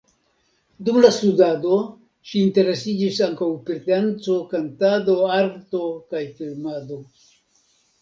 Dum la studado ŝi interesiĝis ankaŭ pri danco, kantado, arto kaj filmado.